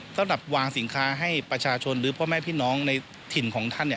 สำหรับวางสินค้าให้ประชาชนหรือพ่อแม่พี่น้องในถิ่นของท่าน